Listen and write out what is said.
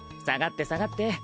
下がって下がって。